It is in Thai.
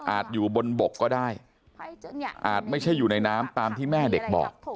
อยู่บนบกก็ได้อาจไม่ใช่อยู่ในน้ำตามที่แม่เด็กบอก